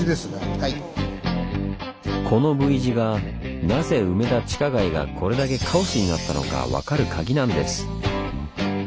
このＶ字がなぜ梅田地下街がこれだけカオスになったのか分かるカギなんです。